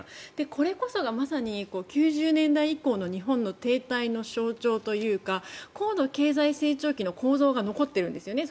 これこそがまさに９０年代以降の日本の停滞の象徴というか高度経済成長期の構造が残っているんですよね。